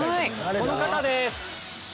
この方です！